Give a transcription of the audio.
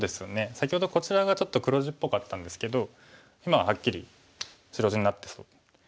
先ほどこちらがちょっと黒地っぽかったんですけど今ははっきり白地になってそう。